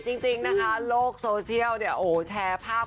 จริงนะคะโลกโซเชียลเนี่ยโอ้โหแชร์ภาพ